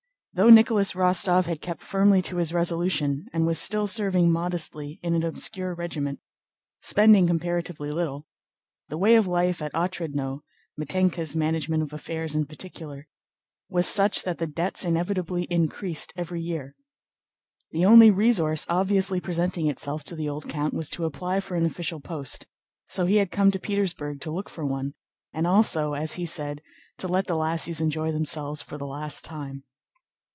Though Nicholas Rostóv had kept firmly to his resolution and was still serving modestly in an obscure regiment, spending comparatively little, the way of life at Otrádnoe—Mítenka's management of affairs, in particular—was such that the debts inevitably increased every year. The only resource obviously presenting itself to the old count was to apply for an official post, so he had come to Petersburg to look for one and also, as he said, to let the lassies enjoy themselves for the last time.